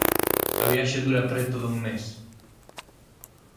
A viaxe dura preto dun mes.